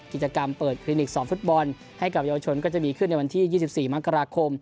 กิจกรรมเปิดคลินิกสอนฟุตบอลให้กับเยาวชนก็จะมีขึ้นในวันที่๒๔มกราคม